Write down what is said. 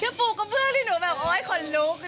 แค่ปลูกกระเบิ้ลับแบบโอ๊ยส่งไป